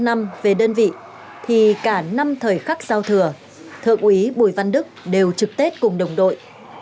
sáu năm về đơn vị thì cả năm thời khắc giao thừa thượng úy bùi văn đức đều trực tết cùng đồng đội